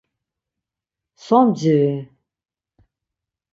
So mdziri?